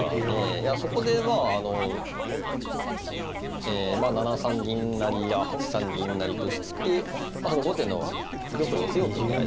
いやそこでまああの７三銀成や８三銀成として後手の玉を寄せようという狙いだと思うんですが。